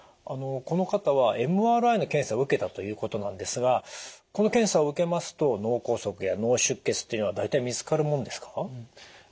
この方はＭＲＩの検査を受けたということなんですがこの検査を受けますと脳梗塞や脳出血っていうのは大体見つかるもんですか？